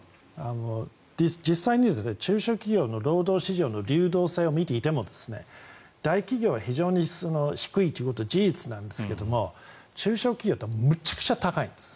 実際に中小企業の労働市場の流動性を見ていても大企業は非常に低いということは事実なんですが中小企業はめちゃくちゃ高いんです。